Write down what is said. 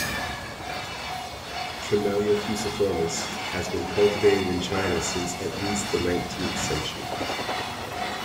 "Tremella fuciformis" has been cultivated in China since at least the nineteenth century.